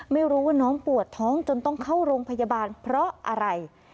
ไม่รู้ว่าน้องปวดท้องจนต้องเข้าโรงพยาบาลเพราะอะไร